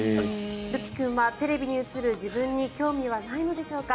るぴ君はテレビに映る自分に興味はないのでしょうか。